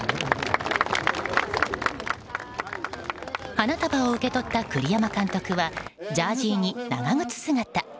花束を受け取った栗山監督はジャージーに長靴姿。